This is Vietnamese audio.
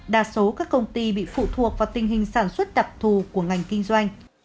đa số các công ty bị phụ thuộc vào tình hình sản xuất đặc thù của ngành kinh doanh